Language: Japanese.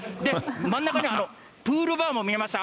真ん中にプールバーも見えました、